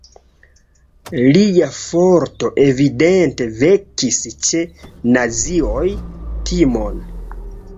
Lia forto evidente vekis ĉe nazioj timon.